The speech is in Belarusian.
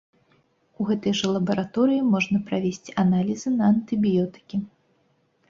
У гэтай жа лабараторыі можна правесці аналізы на антыбіётыкі.